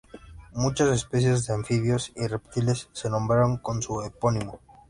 Muchas especies de anfibios y reptiles se nombraron con su epónimo.